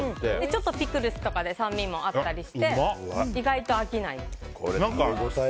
ちょっとピクルスとかで酸味もあったりして意外と飽きないです。